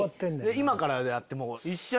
今からやっても。